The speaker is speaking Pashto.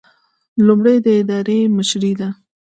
لومړی د ادارې مشري ده.